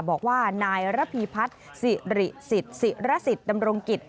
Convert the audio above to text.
บอกว่านายระพีพัฒน์สิริสิทธิ์ศิรสิทธิ์ดำรงกิจ